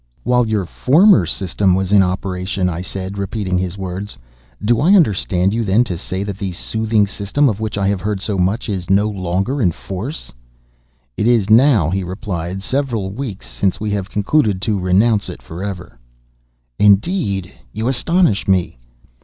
"While your former system was in operation!" I said, repeating his words—"do I understand you, then, to say that the 'soothing system' of which I have heard so much is no longer in force?" "It is now," he replied, "several weeks since we have concluded to renounce it forever." "Indeed! you astonish me!"